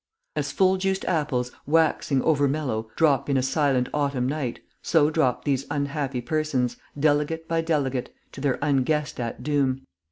As full juiced apples, waxing over mellow, drop in a silent autumn night, so dropped these unhappy persons, delegate by delegate, to their unguessed at doom.